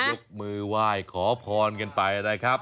เดี๋ยวลุกมือไหว้ขอพรกันไปได้ครับ